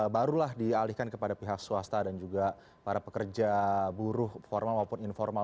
barulah dialihkan kepada pihak swasta dan juga para pekerja buruh formal maupun informal